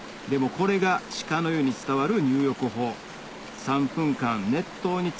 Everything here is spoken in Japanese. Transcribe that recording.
これが鹿の湯に伝わる入浴法